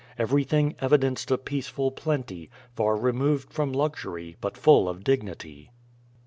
Everything evidenced a peaceful plenty, far removed from luxury, but full of dignity.